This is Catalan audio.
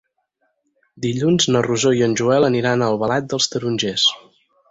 Dilluns na Rosó i en Joel aniran a Albalat dels Tarongers.